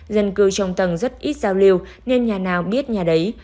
dân cư trong tầng rất ít giao lưu nên nhà nào biết nhà đấy